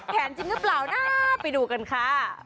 จริงหรือเปล่านะไปดูกันค่ะ